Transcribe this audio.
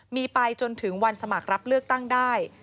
มีไปจนถึงวันสมัครรับเลือกตั้งได้